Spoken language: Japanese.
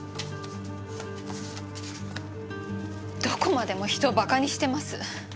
どこまでも人を馬鹿にしてます。